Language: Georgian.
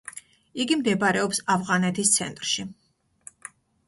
იგი მდებარეობს ავღანეთის ცენტრში.